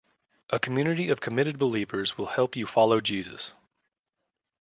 a community of committed believers will help you follow Jesus